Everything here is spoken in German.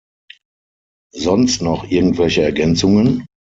Sonst noch irgendwelche Ergänzungen?